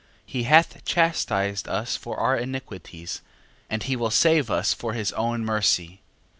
13:5. He hath chastised us for our iniquities: and he will save us for his own mercy.